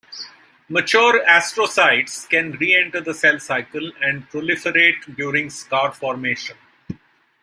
Mature astrocytes can re-enter the cell cycle and proliferate during scar formation.